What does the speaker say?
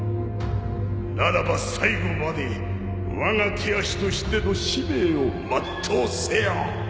ならば最後までわが手足としての使命を全うせよ。